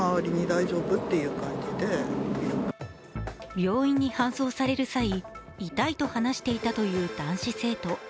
病院に搬送される際痛いと話していたという男子生徒。